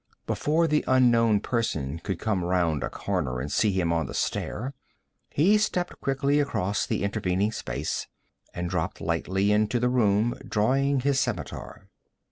Before the unknown person could come round a corner and see him on the stair, he stepped quickly across the intervening space and dropped lightly into the room, drawing his scimitar.